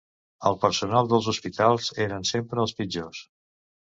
El personal dels hospitals eren sempre els pitjors.